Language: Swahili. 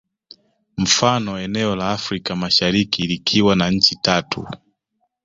Mfano eneo la Afrika Mashariki likiwa na nchi tatu